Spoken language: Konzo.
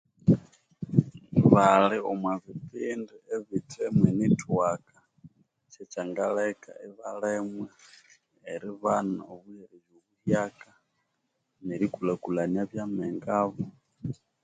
Bali omwapindi ebithiemo enethiwaka kyekyangaleka ibalemwa eribana obiherezya buhyaka nerikulhakulhania ebya'mengae abu